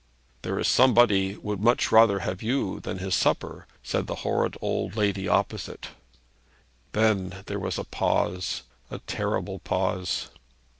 'There is somebody would much rather have you than his supper,' said the horrid old lady opposite. Then there was a pause, a terrible pause.